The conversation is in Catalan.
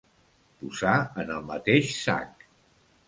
Posar en el mateix sac.